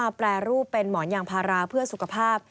แปรรูปเป็นหมอนยางพาราเพื่อสุขภาพ